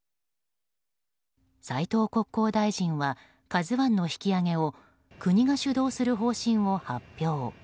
斉藤国交大臣は「ＫＡＺＵ１」の引き上げを国が主導する方針を発表。